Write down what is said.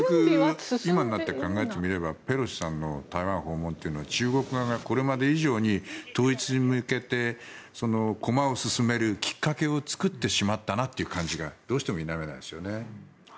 結局今になって考えてみればペロシさんの台湾訪問は中国側がこれまで以上に統一に向けて駒を進めるきっかけを作ってしまったなという感じがどうしても否めないですよね。